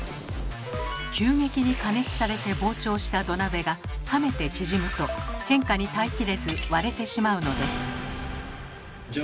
急激に加熱されて膨張した土鍋が冷めて縮むと変化に耐えきれず割れてしまうのです。